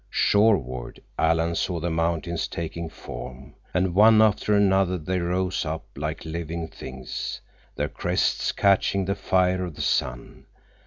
Shoreward Alan saw the mountains taking form, and one after another they rose up like living things, their crests catching the fire of the sun.